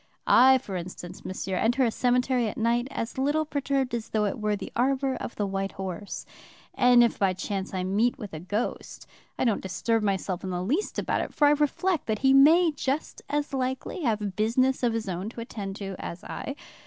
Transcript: I, for instance, monsieur, enter a cemetery at night as little perturbed as though it were the arbor of the White Horse. And if by chance I meet with a ghost, I don't disturb myself in the least about it, for I reflect that he may just as likely have business of his own to attend to as I.